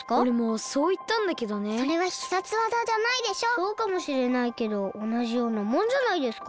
そうかもしれないけどおなじようなもんじゃないですか。